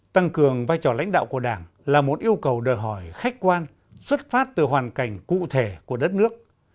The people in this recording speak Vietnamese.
tăng cường vai trò lãnh đạo của đảng là một yêu cầu đòi hỏi khách quan xuất phát từ hoàn cảnh cụ thể của đất nước